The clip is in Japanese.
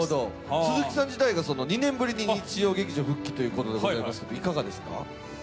鈴木さん自体が２年ぶりに日曜劇場に復帰ということですが、いあがですか？